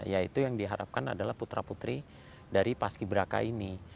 yaitu yang diharapkan adalah putra putri dari paski beraka ini